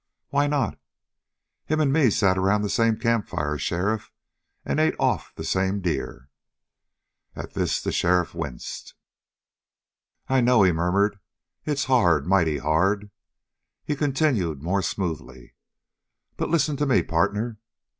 "Why not?" "Him and me sat around the same campfire, sheriff, and ate off'n the same deer." At this the sheriff winced. "I know," he murmured. "It's hard mighty hard!" He continued more smoothly: "But listen to me, partner.